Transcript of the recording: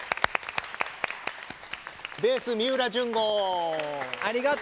ベース、三浦淳悟。